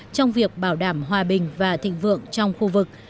trong việc bảo đảm hòa bình và thịnh vượng trong khu vực